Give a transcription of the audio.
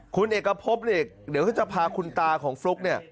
คุณเอกพบเดี๋ยวจะพาคุณตาของฟลุ๊ก